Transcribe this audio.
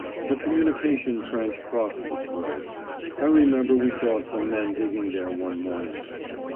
A communication trench crossed this road: (I remember we saw some men digging there one morning).